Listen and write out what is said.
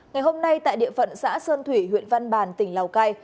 ngày hôm nay tại địa phận xã sơn thủy huyện văn bàn tỉnh lào cai